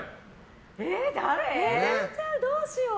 全然、どうしよう。